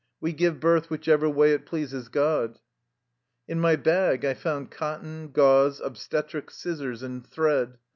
We give birth whichever way it pleases God." In my bag I found cotton, gauze, obstetric scissors and thread.